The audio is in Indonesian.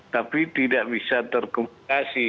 tapi tidak bisa terkomunikasi